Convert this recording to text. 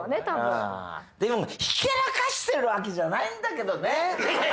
多分でもひけらかしてるわけじゃないんだけどね